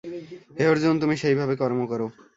হে অর্জুন, তুমি সেইভাবে কর্ম কর।